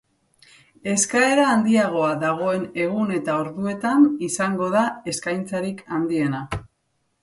Eskaera handiagoa dagoen egun eta orduetan izango da eskaintzarik handiena.